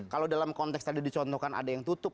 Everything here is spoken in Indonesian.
kalau dalam konteks tadi dicontohkan ada yang tutup